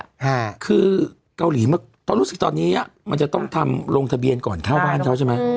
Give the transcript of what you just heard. ค่ะคือเกาหลีเมื่อรู้สึกตอนนี้อ่ะมันจะต้องทำลงทะเบียนก่อนเข้าบ้านเขาใช่ไหม